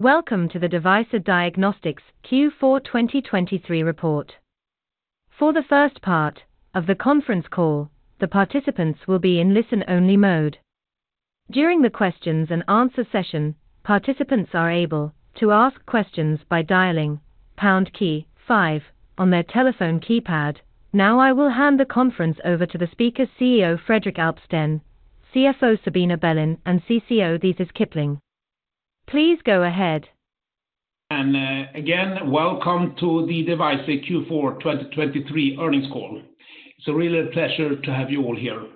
Welcome to the Devyser Diagnostics Q4 2023 report. For the first part of the conference call, the participants will be in listen-only mode. During the questions-and-answer session, participants are able to ask questions by dialing pound key 5 on their telephone keypad. Now I will hand the conference over to the speakers, CEO Fredrik Alpsten, CFO Sabina Berlin, and CCO Theis Kipling. Please go ahead. And again, welcome to the Devyser Q4 2023 earnings call. It's a real pleasure to have you all here.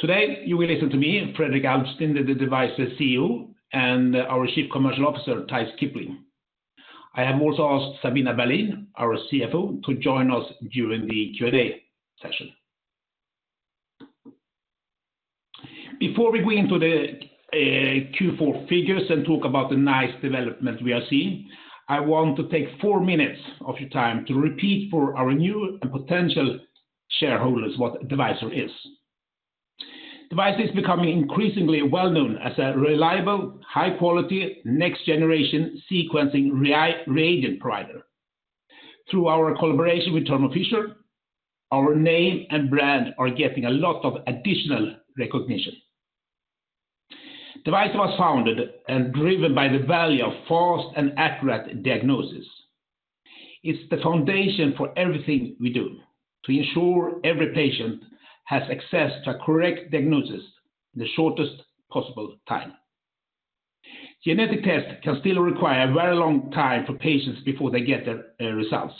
Today you will listen to me, Fredrik Alpsten, the Devyser CEO, and our Chief Commercial Officer Theis Kipling. I have also asked Sabina Berlin, our CFO, to join us during the Q&A session. Before we go into the Q4 figures and talk about the nice development we are seeing, I want to take four minutes of your time to repeat for our new and potential shareholders what Devyser is. Devyser is becoming increasingly well-known as a reliable, high-quality, next-generation sequencing reagent provider. Through our collaboration with Thermo Fisher, our name and brand are getting a lot of additional recognition. Devyser was founded and driven by the value of fast and accurate diagnosis. It's the foundation for everything we do, to ensure every patient has access to a correct diagnosis in the shortest possible time. Genetic tests can still require a very long time for patients before they get their results,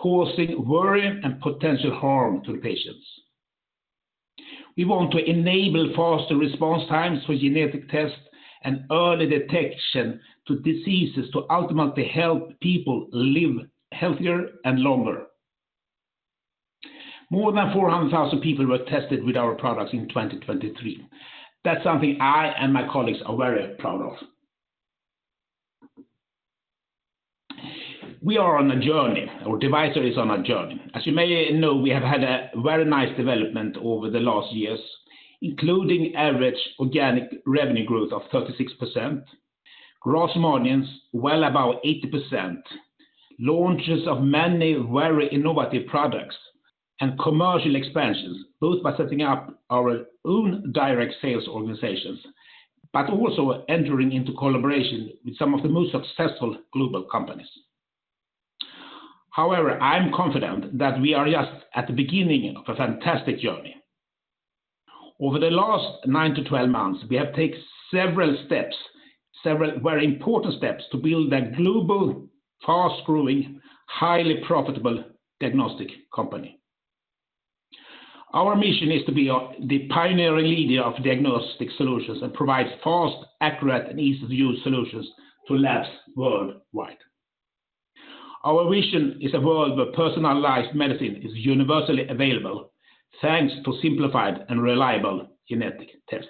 causing worry and potential harm to the patients. We want to enable faster response times for genetic tests and early detection to diseases to ultimately help people live healthier and longer. More than 400,000 people were tested with our products in 2023. That's something I and my colleagues are very proud of. We are on a journey. Our Devyser is on a journey. As you may know, we have had a very nice development over the last years, including average organic revenue growth of 36%, gross margins well above 80%, launches of many very innovative products, and commercial expansions, both by setting up our own direct sales organizations but also entering into collaboration with some of the most successful global companies. However, I'm confident that we are just at the beginning of a fantastic journey. Over the last 9-12 months, we have taken several steps, several very important steps, to build a global, fast-growing, highly profitable diagnostic company. Our mission is to be the pioneering leader of diagnostic solutions and provide fast, accurate, and easy-to-use solutions to labs worldwide. Our vision is a world where personalized medicine is universally available thanks to simplified and reliable genetic tests.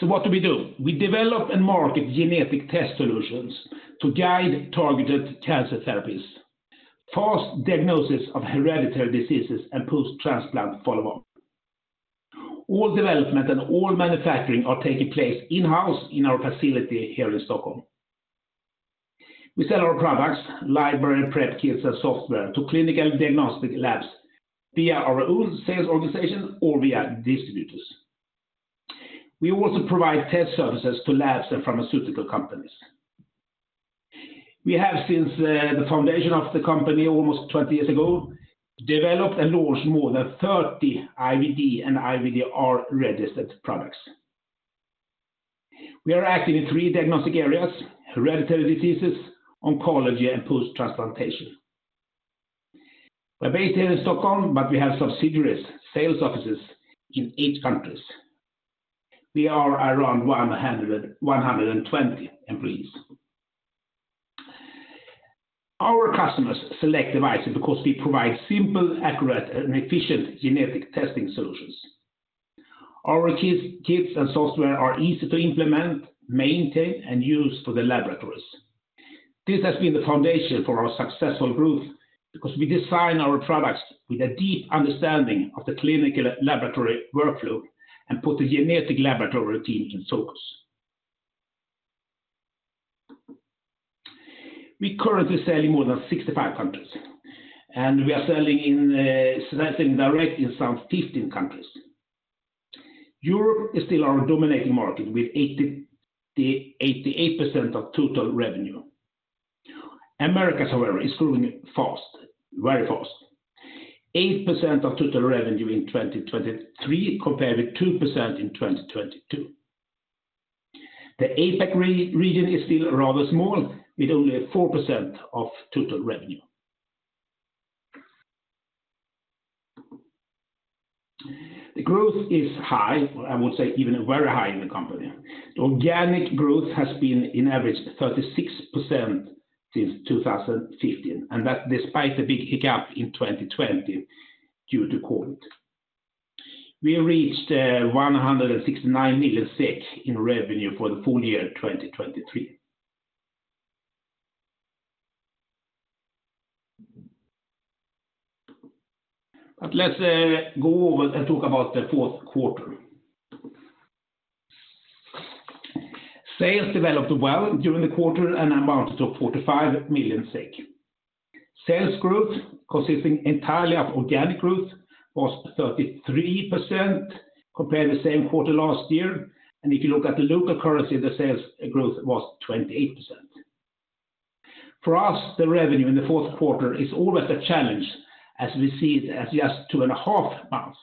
So what do we do? We develop and market genetic test solutions to guide targeted cancer therapies, fast diagnosis of hereditary diseases, and post-transplant follow-up. All development and all manufacturing are taking place in-house in our facility here in Stockholm. We sell our products, library prep kits, and software to clinical diagnostic labs via our own sales organization or via distributors. We also provide test services to labs and pharmaceutical companies. We have, since the foundation of the company almost 20 years ago, developed and launched more than 30 IVD and IVDR-registered products. We are active in three diagnostic areas: hereditary diseases, oncology, and post-transplantation. We're based here in Stockholm, but we have subsidiary sales offices in eight countries. We are around 120 employees. Our customers select Devyser because we provide simple, accurate, and efficient genetic testing solutions. Our kits and software are easy to implement, maintain, and use for the laboratories. This has been the foundation for our successful growth because we design our products with a deep understanding of the clinical laboratory workflow and put the genetic laboratory team in focus. We currently sell in more than 65 countries, and we are selling directly in some 15 countries. Europe is still our dominating market with 88% of total revenue. America, however, is growing fast, very fast: 8% of total revenue in 2023 compared with 2% in 2022. The APAC region is still rather small, with only 4% of total revenue. The growth is high, or I would say even very high, in the company. The organic growth has been, on average, 36% since 2015, and that's despite the big hiccup in 2020 due to COVID. We reached 169 million SEK in revenue for the full year 2023. But let's go over and talk about the fourth quarter. Sales developed well during the quarter and amounted to 45 million. Sales growth, consisting entirely of organic growth, was 33% compared to the same quarter last year, and if you look at the local currency, the sales growth was 28%. For us, the revenue in the fourth quarter is always a challenge as we see it as just two and a half months,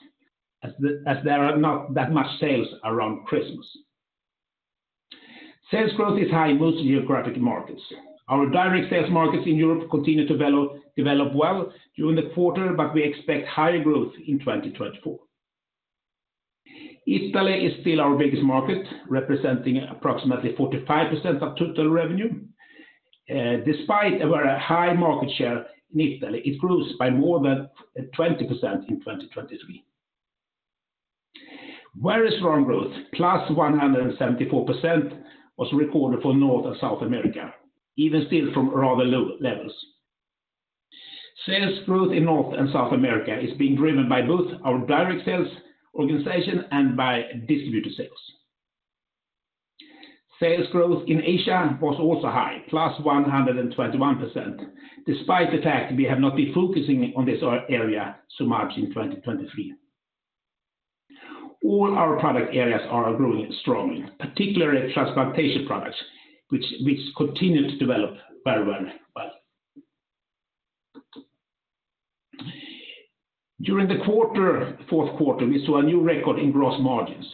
as there are not that much sales around Christmas. Sales growth is high in most geographic markets. Our direct sales markets in Europe continue to develop well during the quarter, but we expect higher growth in 2024. Italy is still our biggest market, representing approximately 45% of total revenue. Despite a very high market share in Italy, it grew by more than 20% in 2023. Very strong growth, +174%, was recorded for North and South America, even still from rather low levels. Sales growth in North and South America is being driven by both our direct sales organization and by distributor sales. Sales growth in Asia was also high, +121%. Despite the fact, we have not been focusing on this area so much in 2023. All our product areas are growing strongly, particularly transplantation products, which continue to develop very, very well. During the fourth quarter, we saw a new record in gross margins: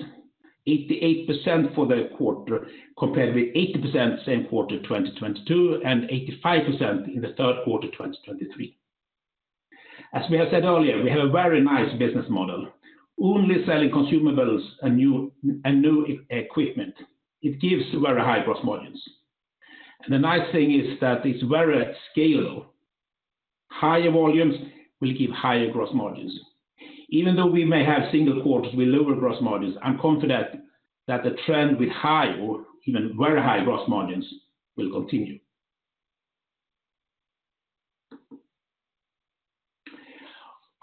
88% for the quarter compared with 80% same quarter 2022 and 85% in the third quarter 2023. As we have said earlier, we have a very nice business model, only selling consumables and new equipment. It gives very high gross margins. And the nice thing is that it's very scalable. Higher volumes will give higher gross margins. Even though we may have single quarters with lower gross margins, I'm confident that the trend with high or even very high gross margins will continue.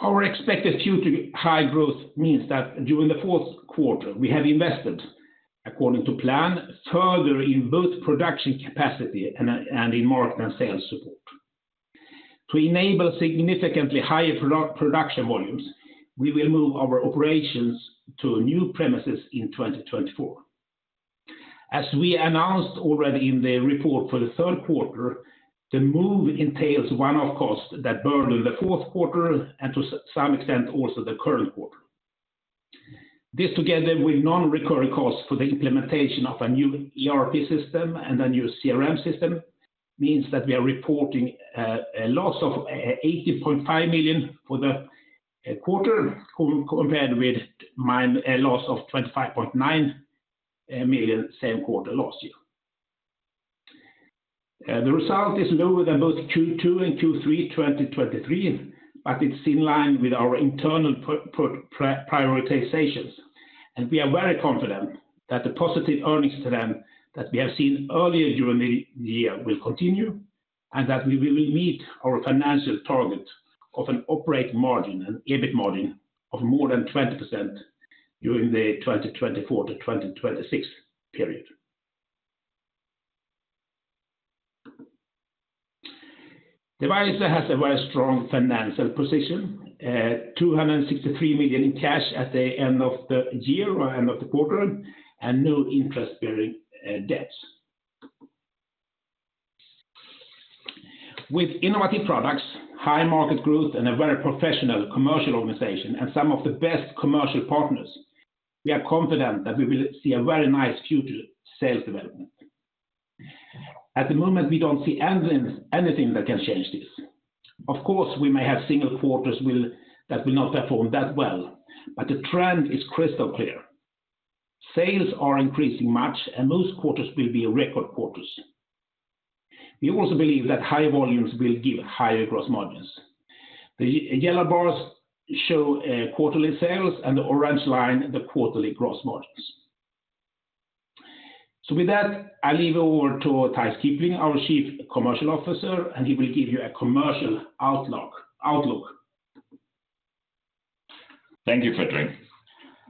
Our expected future high growth means that during the fourth quarter, we have invested, according to plan, further in both production capacity and in market and sales support. To enable significantly higher production volumes, we will move our operations to new premises in 2024. As we announced already in the report for the third quarter, the move entails one-off costs that burden the fourth quarter and, to some extent, also the current quarter. This together with non-recurring costs for the implementation of a new ERP system and a new CRM system means that we are reporting a loss of 18.5 million for the quarter compared with a loss of 25.9 million same quarter last year. The result is lower than both Q2 and Q3 2023, but it's in line with our internal prioritizations, and we are very confident that the positive earnings trend that we have seen earlier during the year will continue and that we will meet our financial target of an operating margin, an EBIT margin of more than 20% during the 2024 to 2026 period. Devyser has a very strong financial position: 263 million in cash at the end of the year or end of the quarter and no interest-bearing debts. With innovative products, high market growth, and a very professional commercial organization and some of the best commercial partners, we are confident that we will see a very nice future sales development. At the moment, we don't see anything that can change this. Of course, we may have single quarters that will not perform that well, but the trend is crystal clear. Sales are increasing much, and most quarters will be record quarters. We also believe that high volumes will give higher gross margins. The yellow bars show quarterly sales, and the orange line the quarterly gross margins. With that, I leave it over to Theis Kipling, our Chief Commercial Officer, and he will give you a commercial outlook. Thank you, Fredrik.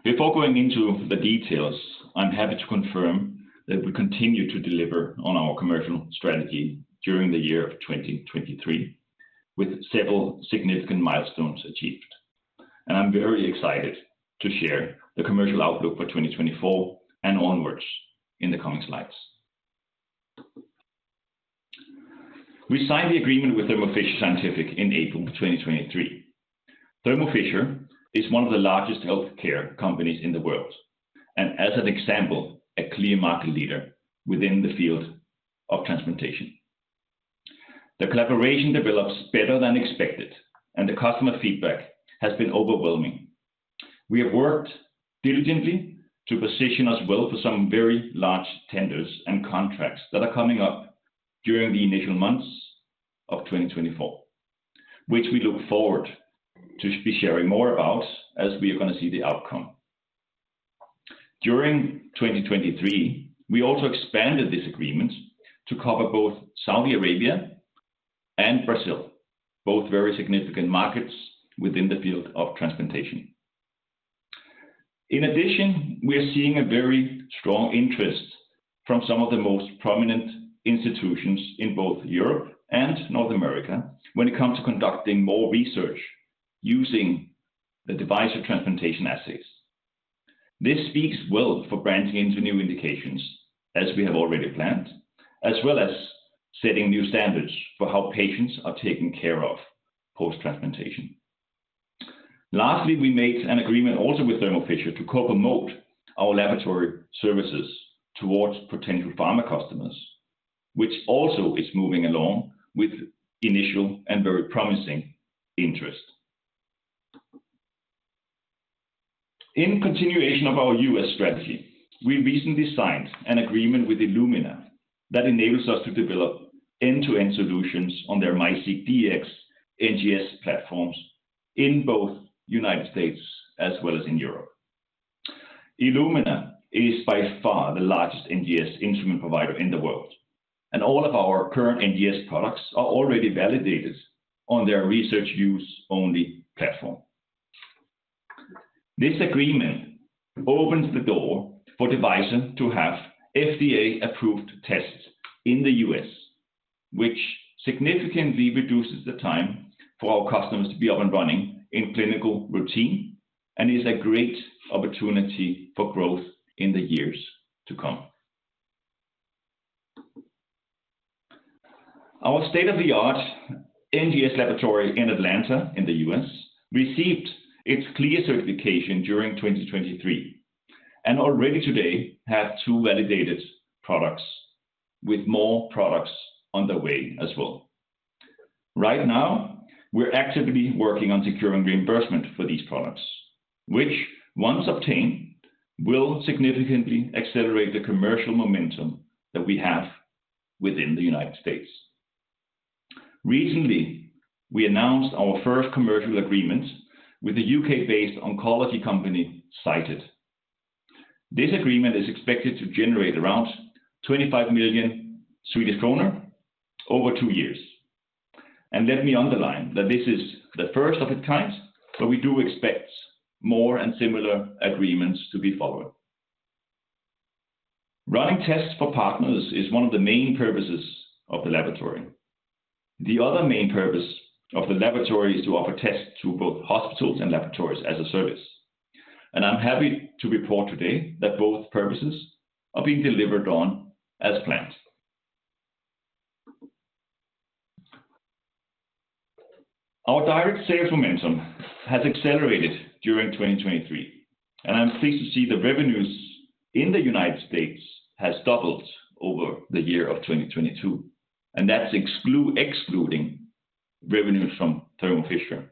Before going into the details, I'm happy to confirm that we continue to deliver on our commercial strategy during the year of 2023 with several significant milestones achieved, and I'm very excited to share the commercial outlook for 2024 and onwards in the coming slides. We signed the agreement with Thermo Fisher Scientific in April 2023. Thermo Fisher is one of the largest healthcare companies in the world and, as an example, a clear market leader within the field of transplantation. The collaboration develops better than expected, and the customer feedback has been overwhelming. We have worked diligently to position us well for some very large tenders and contracts that are coming up during the initial months of 2024, which we look forward to be sharing more about as we are going to see the outcome. During 2023, we also expanded this agreement to cover both Saudi Arabia and Brazil, both very significant markets within the field of transplantation. In addition, we are seeing a very strong interest from some of the most prominent institutions in both Europe and North America when it comes to conducting more research using the Devyser transplantation assays. This speaks well for branching into new indications, as we have already planned, as well as setting new standards for how patients are taken care of post-transplantation. Lastly, we made an agreement also with Thermo Fisher to co-promote our laboratory services towards potential pharma customers, which also is moving along with initial and very promising interest. In continuation of our U.S. strategy, we recently signed an agreement with Illumina that enables us to develop end-to-end solutions on their MiSeqDx NGS platforms in both the United States as well as in Europe. Illumina is by far the largest NGS instrument provider in the world, and all of our current NGS products are already validated on their research-use-only platform. This agreement opens the door for Devyser to have FDA-approved tests in the U.S., which significantly reduces the time for our customers to be up and running in clinical routine and is a great opportunity for growth in the years to come. Our state-of-the-art NGS laboratory in Atlanta, in the U.S., received its CLIA certification during 2023 and already today has two validated products with more products on the way as well. Right now, we're actively working on securing reimbursement for these products, which, once obtained, will significantly accelerate the commercial momentum that we have within the United States. Recently, we announced our first commercial agreement with the U.K.-based oncology company Cyted. This agreement is expected to generate around 25 million Swedish kronor over two years. Let me underline that this is the first of its kind, but we do expect more and similar agreements to be following. Running tests for partners is one of the main purposes of the laboratory. The other main purpose of the laboratory is to offer tests to both hospitals and laboratories as a service, and I'm happy to report today that both purposes are being delivered on as planned. Our direct sales momentum has accelerated during 2023, and I'm pleased to see the revenues in the United States have doubled over the year of 2022, and that's excluding revenues from Thermo Fisher.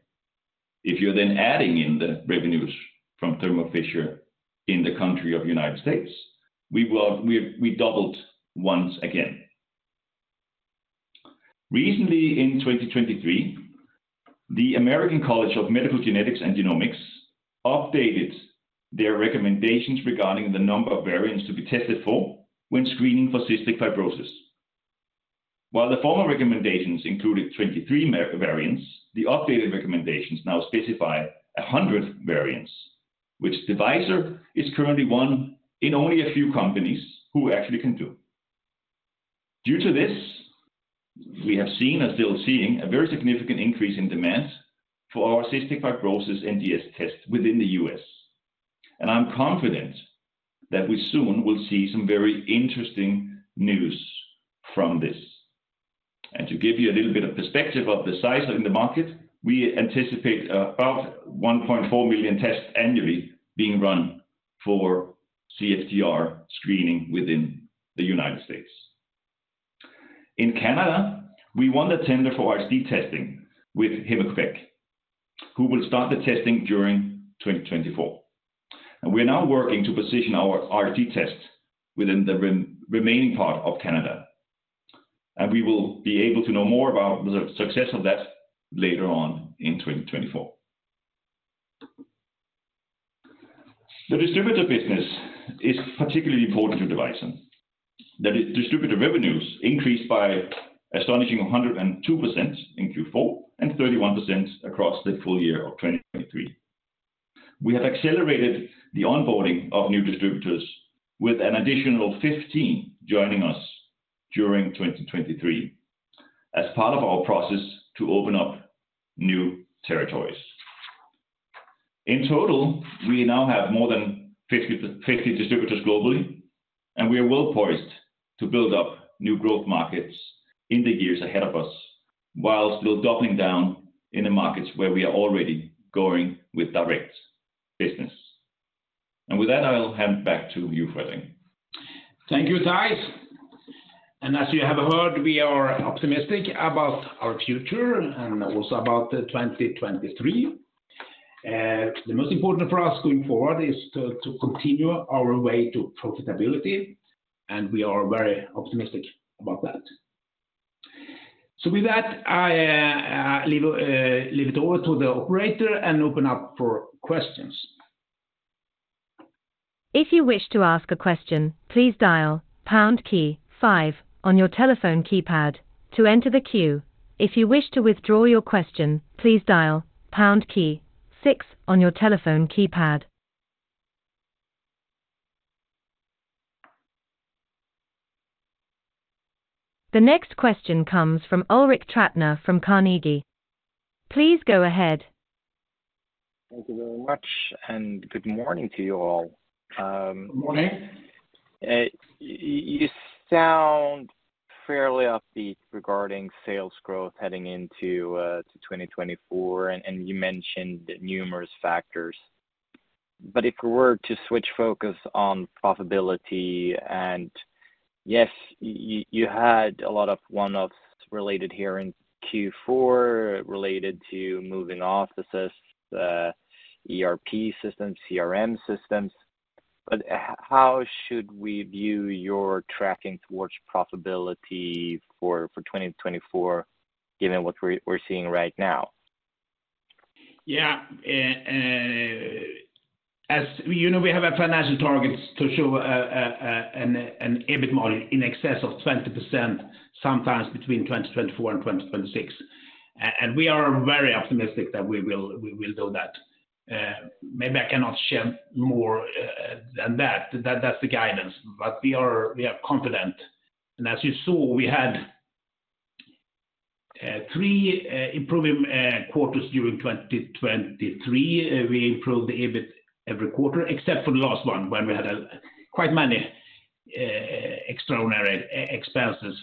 If you're then adding in the revenues from Thermo Fisher in the country of the United States, we doubled once again. Recently, in 2023, the American College of Medical Genetics and Genomics updated their recommendations regarding the number of variants to be tested for when screening for cystic fibrosis. While the former recommendations included 23 variants, the updated recommendations now specify 100 variants, which Devyser is currently one in only a few companies who actually can do. Due to this, we have seen and are still seeing a very significant increase in demand for our cystic fibrosis NGS tests within the U.S., and I'm confident that we soon will see some very interesting news from this. To give you a little bit of perspective of the size in the market, we anticipate about 1.4 million tests annually being run for CFTR screening within the United States. In Canada, we won the tender for RHD testing with Héma-Québec, who will start the testing during 2024. We are now working to position our RHD tests within the remaining part of Canada, and we will be able to know more about the success of that later on in 2024. The distributor business is particularly important to Devyser. The distributor revenues increased by astonishing 102% in Q4 and 31% across the full year of 2023. We have accelerated the onboarding of new distributors with an additional 15 joining us during 2023 as part of our process to open up new territories. In total, we now have more than 50 distributors globally, and we are well poised to build up new growth markets in the years ahead of us while still doubling down in the markets where we are already going with direct business. And with that, I'll hand back to you, Fredrik. Thank you, Theis. As you have heard, we are optimistic about our future and also about 2023. The most important for us going forward is to continue our way to profitability, and we are very optimistic about that. With that, I leave it over to the operator and open up for questions. If you wish to ask a question, please dial pound key five on your telephone keypad to enter the queue. If you wish to withdraw your question, please dial pound key six on your telephone keypad. The next question comes from Ulrik Trattner from Carnegie. Please go ahead. Thank you very much, and good morning to you all. Good morning. You sound fairly upbeat regarding sales growth heading into 2024, and you mentioned numerous factors. If we were to switch focus on profitability, and yes, you had a lot of one-offs related here in Q4 related to moving offices, ERP systems, CRM systems. How should we view your tracking towards profitability for 2024 given what we're seeing right now? Yeah. As you know, we have financial targets to show an EBIT model in excess of 20% sometime between 2024 and 2026. We are very optimistic that we will do that. Maybe I cannot share more than that. That's the guidance, but we are confident. As you saw, we had three improving quarters during 2023. We improved the EBIT every quarter except for the last one when we had quite many extraordinary expenses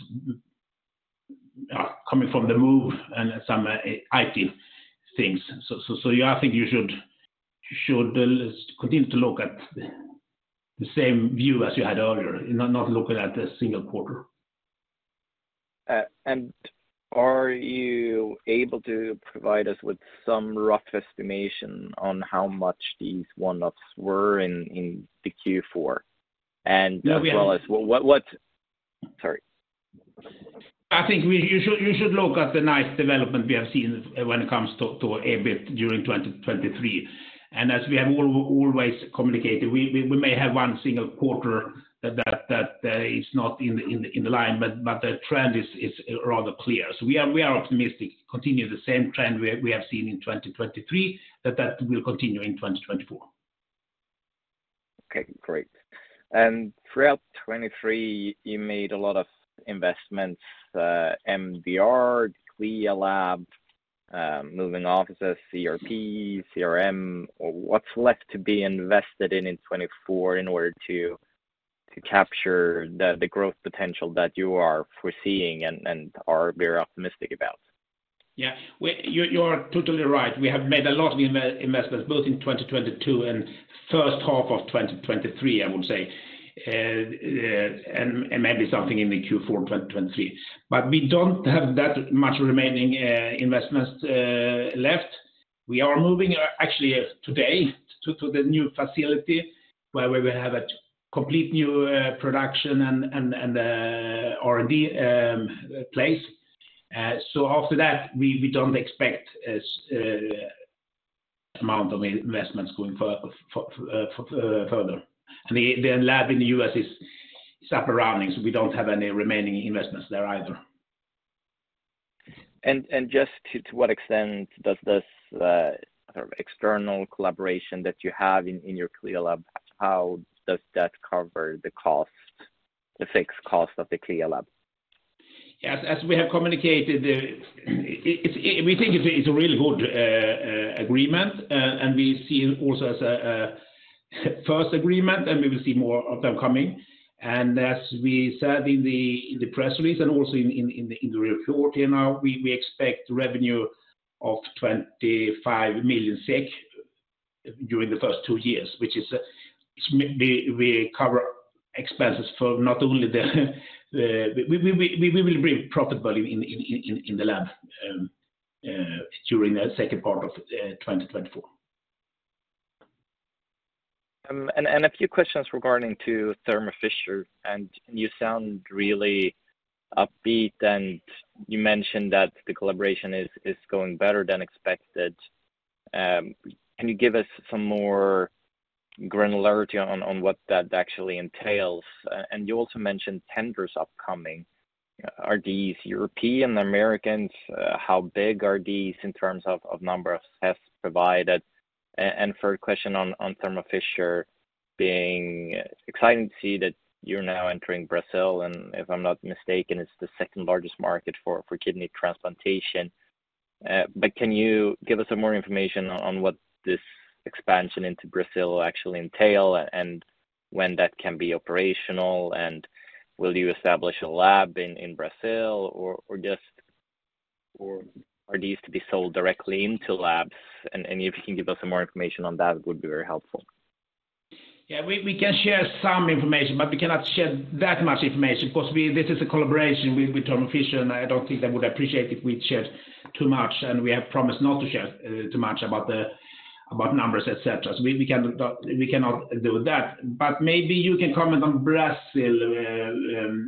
coming from the move and some IT things. So yeah, I think you should continue to look at the same view as you had earlier, not looking at a single quarter. Are you able to provide us with some rough estimation on how much these one-offs were in the Q4 and as well as what sorry? I think you should look at the nice development we have seen when it comes to EBIT during 2023. As we have always communicated, we may have one single quarter that is not in the line, but the trend is rather clear. We are optimistic. Continue the same trend we have seen in 2023, that that will continue in 2024. Okay, great. Throughout 2023, you made a lot of investments: MDR, CLIA lab, moving offices, ERP, CRM. What's left to be invested in in 2024 in order to capture the growth potential that you are foreseeing and are very optimistic about? Yeah, you are totally right. We have made a lot of investments both in 2022 and first half of 2023, I would say, and maybe something in the Q4 of 2023. But we don't have that much remaining investments left. We are moving actually today to the new facility where we have a complete new production and R&D place. So after that, we don't expect an amount of investments going further. The lab in the U.S. is up and running, so we don't have any remaining investments there either. Just to what extent does this sort of external collaboration that you have in your CLIA lab, how does that cover the cost, the fixed cost of the CLIA lab? Yeah, as we have communicated, we think it's a really good agreement, and we see it also as a first agreement, and we will see more of them coming. And as we said in the press release and also in the report here now, we expect revenue of 25 million SEK during the first two years, which is, we cover expenses for not only the, we will bring profitability in the lab during the second part of 2024. A few questions regarding Thermo Fisher, and you sound really upbeat, and you mentioned that the collaboration is going better than expected. Can you give us some more granularity on what that actually entails? You also mentioned tenders upcoming. Are these European and American? How big are these in terms of number of tests provided? Third question on Thermo Fisher being exciting to see that you're now entering Brazil, and if I'm not mistaken, it's the second largest market for kidney transplantation. But can you give us some more information on what this expansion into Brazil actually entails and when that can be operational? And will you establish a lab in Brazil, or are these to be sold directly into labs? And if you can give us some more information on that, it would be very helpful. Yeah, we can share some information, but we cannot share that much information because this is a collaboration with Thermo Fisher, and I don't think they would appreciate if we shared too much. And we have promised not to share too much about numbers, etc. So we cannot do that. But maybe you can comment on Brazil,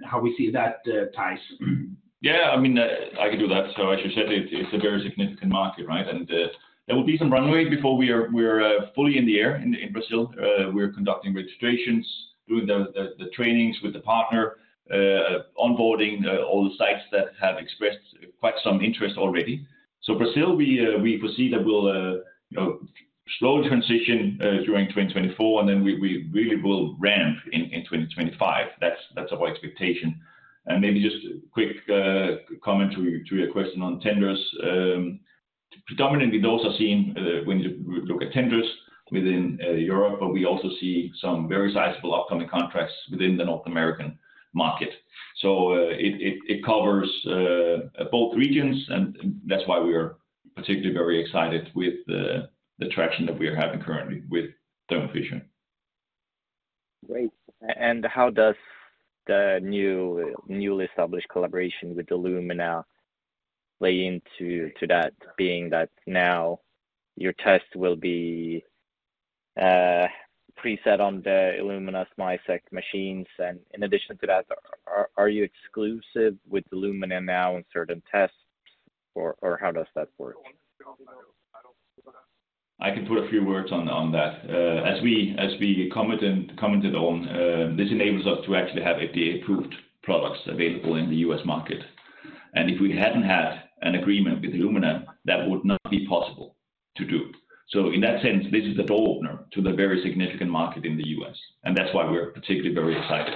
how we see that, Theis. Yeah, I mean, I can do that. So as you said, it's a very significant market, right? And there will be some runway before we're fully in the air in Brazil. We're conducting registrations, doing the trainings with the partner, onboarding all the sites that have expressed quite some interest already. So Brazil, we foresee that will slowly transition during 2024, and then we really will ramp in 2025. That's our expectation. And maybe just a quick comment to your question on tenders. Predominantly, those are seen when you look at tenders within Europe, but we also see some very sizable upcoming contracts within the North American market. So it covers both regions, and that's why we are particularly very excited with the traction that we are having currently with Thermo Fisher. Great. And how does the newly established collaboration with Illumina play into that, being that now your tests will be preset on the Illumina MiSeqDx machines? And in addition to that, are you exclusive with Illumina now on certain tests, or how does that work? I can put a few words on that. As we commented on, this enables us to actually have FDA-approved products available in the U.S. market. And if we hadn't had an agreement with Illumina, that would not be possible to do. So in that sense, this is the door opener to the very significant market in the U.S., and that's why we're particularly very excited.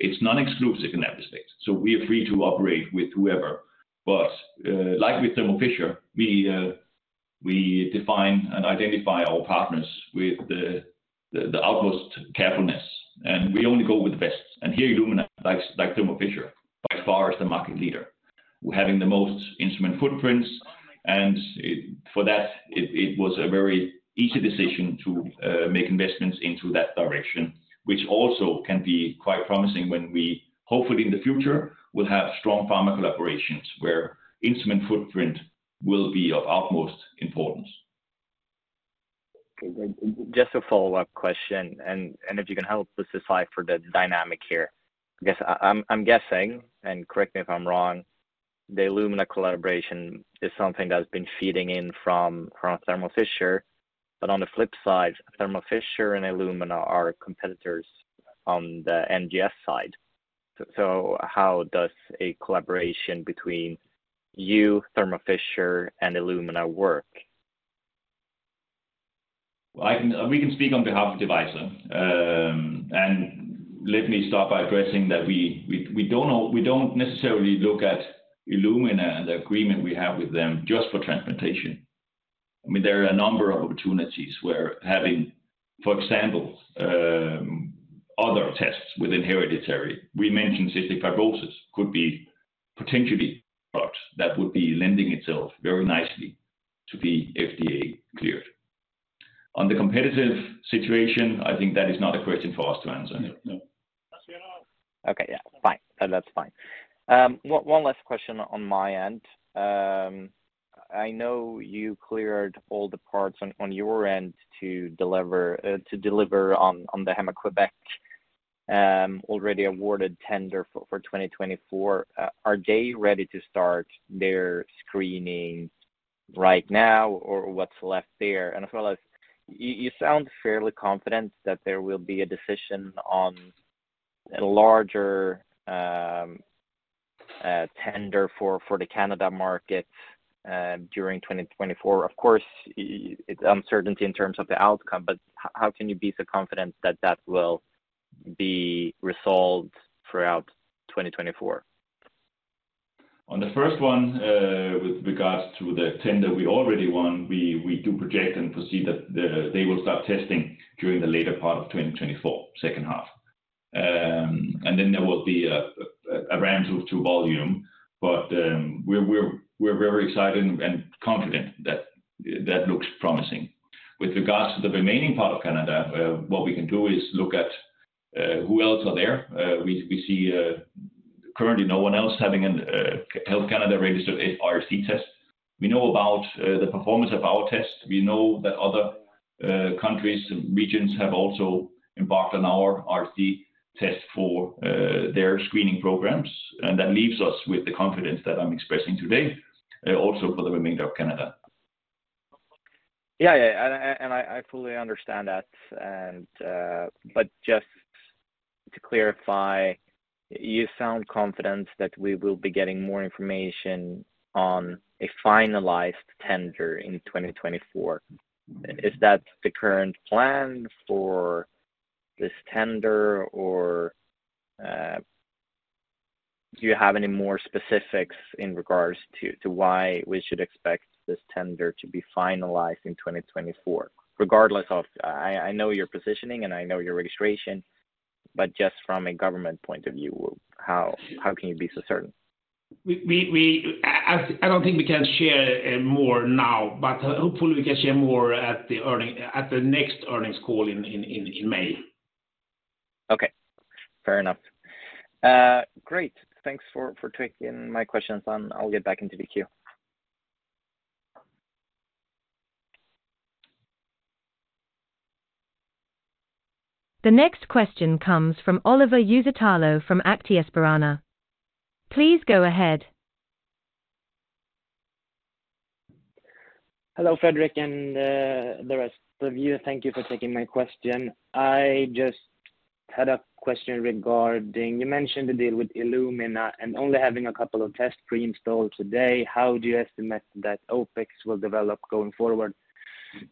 It's non-exclusive in that respect. So we are free to operate with whoever. But like with Thermo Fisher, we define and identify our partners with the utmost carefulness, and we only go with the best. And here, Illumina, like Thermo Fisher, by far is the market leader, having the most instrument footprints. For that, it was a very easy decision to make investments into that direction, which also can be quite promising when we hopefully in the future will have strong pharma collaborations where instrument footprint will be of utmost importance. Okay, great. Just a follow-up question, and if you can help specify for the dynamic here. I'm guessing, and correct me if I'm wrong, the Illumina collaboration is something that's been feeding in from Thermo Fisher, but on the flip side, Thermo Fisher and Illumina are competitors on the NGS side. So how does a collaboration between you, Thermo Fisher, and Illumina work? Well, we can speak on behalf of Devyser. Let me start by addressing that we don't necessarily look at Illumina and the agreement we have with them just for transplantation. I mean, there are a number of opportunities where having, for example, other tests with hereditary, we mentioned Cystic Fibrosis, could be potentially a product that would be lending itself very nicely to be FDA cleared. On the competitive situation, I think that is not a question for us to answer. Okay, yeah, fine. That's fine. One last question on my end. I know you cleared all the parts on your end to deliver on the Héma-Québec already awarded tender for 2024. Are they ready to start their screening right now, or what's left there? And as well as you sound fairly confident that there will be a decision on a larger tender for the Canada market during 2024. Of course, it's uncertainty in terms of the outcome, but how can you be so confident that that will be resolved throughout 2024? On the first one, with regards to the tender we already won, we do project and foresee that they will start testing during the later part of 2024, second half. Then there will be a ramp to volume. But we're very excited and confident that that looks promising. With regards to the remaining part of Canada, what we can do is look at who else are there. We see currently no one else having a Health Canada-registered RHD test. We know about the performance of our test. We know that other countries and regions have also embarked on our RHD test for their screening programs. And that leaves us with the confidence that I'm expressing today, also for the remainder of Canada. Yeah, yeah, and I fully understand that. But just to clarify, you sound confident that we will be getting more information on a finalized tender in 2024. Is that the current plan for this tender, or do you have any more specifics in regards to why we should expect this tender to be finalized in 2024, regardless of I know your positioning and I know your registration, but just from a government point of view, how can you be so certain? I don't think we can share more now, but hopefully, we can share more at the next earnings call in May. Okay, fair enough. Great. Thanks for taking my questions, and I'll get back into the queue. The next question comes from Oliver Uusitalo from Aktiespararna. Please go ahead. Hello, Fredrik, and the rest of you. Thank you for taking my question. I just had a question regarding you mentioned the deal with Illumina and only having a couple of tests pre-installed today. How do you estimate that OpEx will develop going forward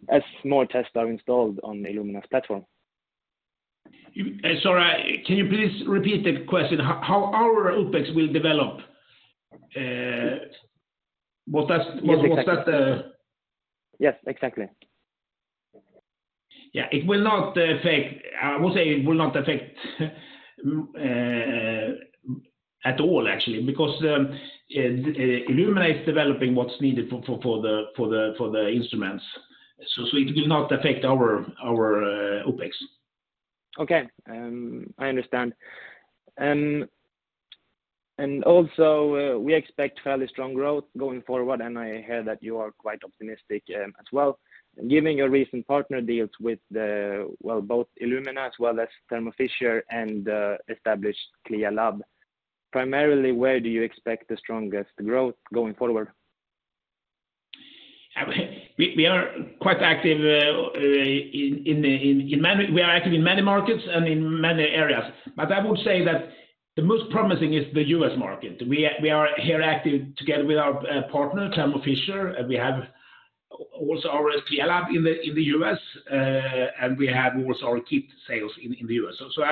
as more tests are installed on Illumina's platform? Sorry, can you please repeat the question? How our OpEx will develop? What's that? Yes, exactly. Yeah, it will not affect. I will say, it will not affect at all, actually, because Illumina is developing what's needed for the instruments. So it will not affect our OpEx. Okay, I understand. And also, we expect fairly strong growth going forward, and I hear that you are quite optimistic as well. Given your recent partner deals with, well, both Illumina as well as Thermo Fisher and established CLIA lab, primarily, where do you expect the strongest growth going forward? We are quite active in many markets and in many areas. But I would say that the most promising is the U.S. market. We are here active together with our partner, Thermo Fisher. We have also our CLIA lab in the U.S., and we have also our kit sales in the U.S. So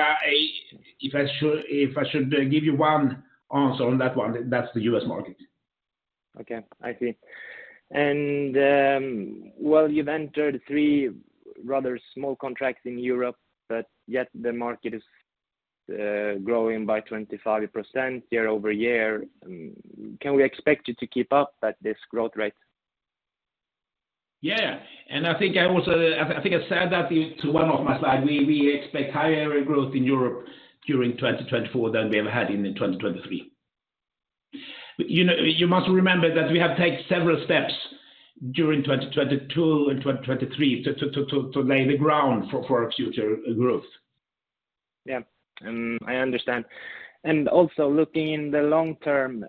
if I should give you one answer on that one, that's the U.S. market. Okay, I see. Well, you've entered three rather small contracts in Europe, but yet the market is growing by 25% year-over-year. Can we expect you to keep up at this growth rate? Yeah, yeah. I think I also said that to one of my slides. We expect higher growth in Europe during 2024 than we have had in 2023. You must remember that we have taken several steps during 2022 and 2023 to lay the ground for our future growth. Yeah, I understand. And also, looking in the long term,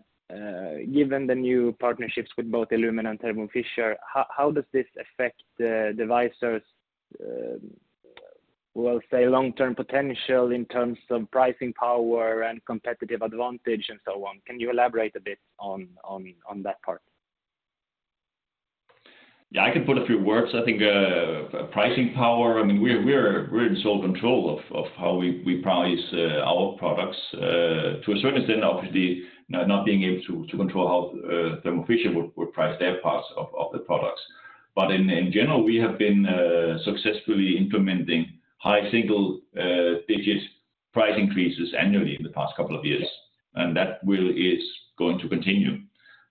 given the new partnerships with both Illumina and Thermo Fisher, how does this affect Devyser's, we'll say, long-term potential in terms of pricing power and competitive advantage and so on? Can you elaborate a bit on that part? Yeah, I can put a few words. I think pricing power, I mean, we're in sole control of how we price our products. To a certain extent, obviously, not being able to control how Thermo Fisher would price their parts of the products. But in general, we have been successfully implementing high single-digit price increases annually in the past couple of years, and that is going to continue.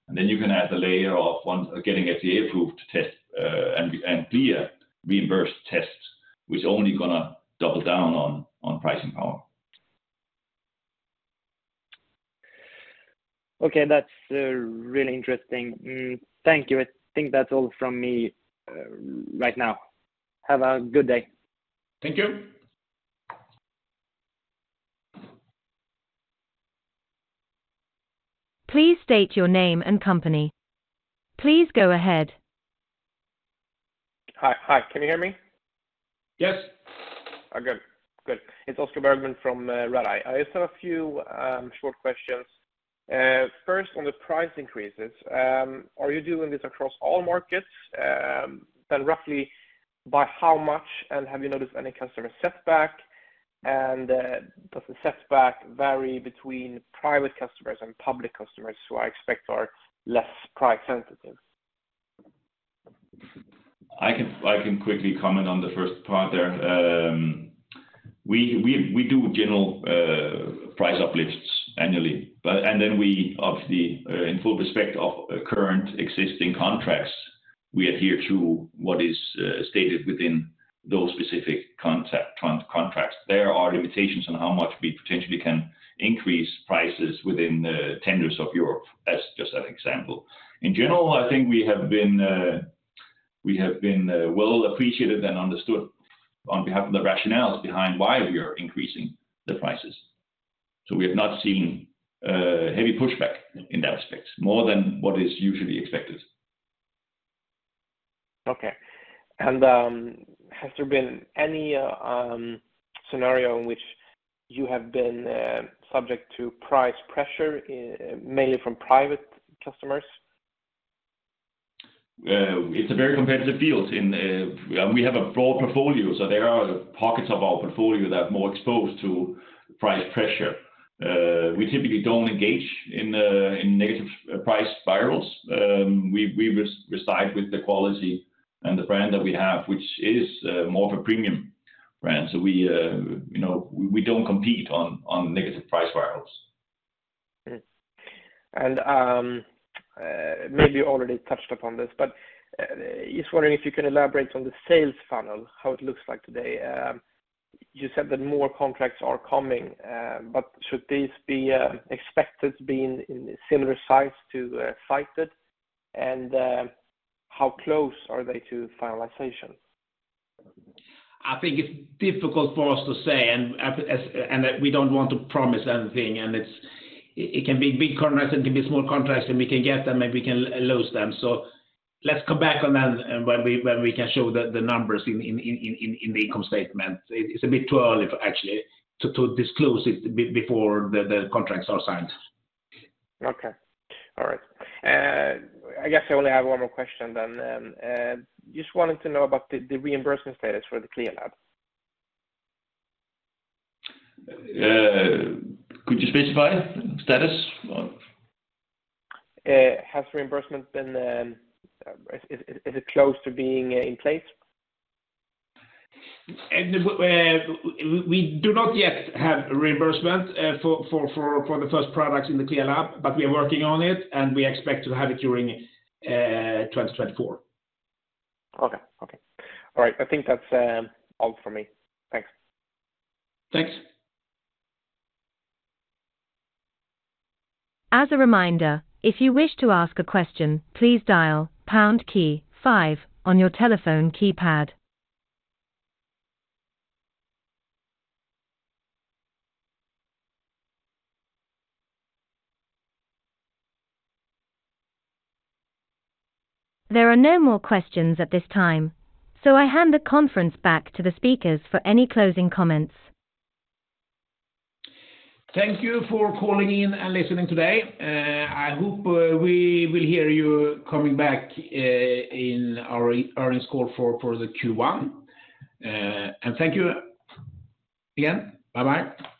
And then you can add the layer of getting FDA-approved tests and clear reimbursed tests, which is only going to double down on pricing power. Okay, that's really interesting. Thank you. I think that's all from me right now. Have a good day. Thank you. Please state your name and company. Please go ahead. Hi, can you hear me? Yes. Oh, good. Good. It's Oscar Bergman from Redeye. I just have a few short questions. First, on the price increases, are you doing this across all markets? Then roughly, by how much? And have you noticed any customer setback? And does the setback vary between private customers and public customers who I expect are less price-sensitive? I can quickly comment on the first part there. We do general price uplifts annually. And then we, obviously, in full respect of current existing contracts, we adhere to what is stated within those specific contracts. There are limitations on how much we potentially can increase prices within tenders of Europe, as just an example. In general, I think we have been well appreciated and understood on behalf of the rationales behind why we are increasing the prices. So we have not seen heavy pushback in that respect, more than what is usually expected. Okay. And has there been any scenario in which you have been subject to price pressure, mainly from private customers? It's a very competitive field. We have a broad portfolio, so there are pockets of our portfolio that are more exposed to price pressure. We typically don't engage in negative price wars. We rely on the quality and the brand that we have, which is more of a premium brand. So we don't compete on negative price wars. Maybe you already touched upon this, but just wondering if you can elaborate on the sales funnel, how it looks like today. You said that more contracts are coming, but should these be expected to be in similar size to Cyted? And how close are they to finalization? I think it's difficult for us to say, and we don't want to promise anything. It can be big contracts, and it can be small contracts, and we can get them, and we can lose them. Let's come back on that when we can show the numbers in the income statement. It's a bit too early, actually, to disclose it before the contracts are signed. Okay. All right. I guess I only have one more question then. Just wanted to know about the reimbursement status for the CLIA lab. Could you specify status? Has reimbursement been? Is it close to being in place? We do not yet have reimbursement for the first products in the CLIA lab, but we are working on it, and we expect to have it during 2024. Okay, okay. All right. I think that's all from me. Thanks. Thanks. As a reminder, if you wish to ask a question, please dial pound key 5 on your telephone keypad. There are no more questions at this time, so I hand the conference back to the speakers for any closing comments. Thank you for calling in and listening today. I hope we will hear you coming back in our earnings call for the Q1. Thank you again. Bye-bye.